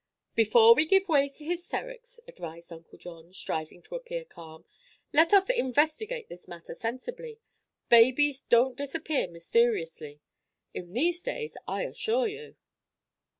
"Before we give way to hysterics," advised Uncle John, striving to appear calm, "let us investigate this matter sensibly. Babies don't disappear mysteriously, in these days, I assure you."